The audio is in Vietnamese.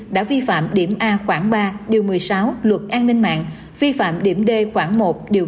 đã vi phạm điểm a khoảng ba điều một mươi sáu luật an ninh mạng vi phạm điểm d khoảng một điều